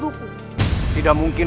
aku sudah kembali